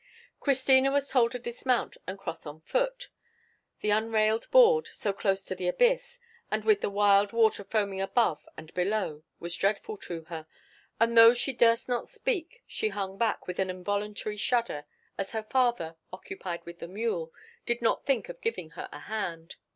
Christina was told to dismount and cross on foot. The unrailed board, so close to the abyss, and with the wild water foaming above and below, was dreadful to her; and, though she durst not speak, she hung back with an involuntary shudder, as her father, occupied with the mule, did not think of giving her a hand.